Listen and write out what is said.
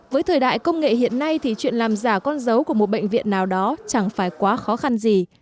với thời đại công nghệ hiện nay thì chuyện làm giả con dấu của một bệnh viện nào đó chẳng phải quá khó khăn gì